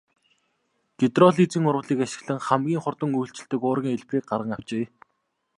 Гидролизын урвалыг ашиглан хамгийн хурдан үйлчилдэг уургийн хэлбэрийг гарган авчээ.